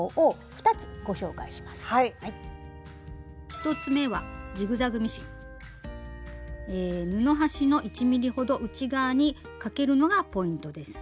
１つ目は布端の１ｍｍほど内側にかけるのがポイントです。